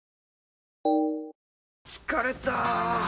疲れた！